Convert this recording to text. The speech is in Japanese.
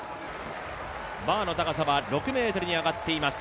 バーの高さは６ｍに上がっています。